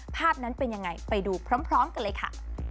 ภาพนั้นเป็นยังไงไปดูพร้อมกันเลยค่ะ